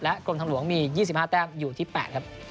กรมทางหลวงมี๒๕แต้มอยู่ที่๘ครับ